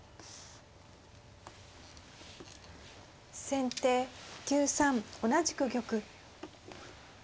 先手９三同じく玉。